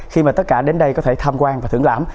khi mà tất cả đến đây có thể tham quan và thưởng lãm